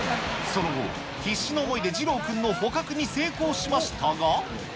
その後、必死の思いで次郎くんの捕獲に成功しましたが。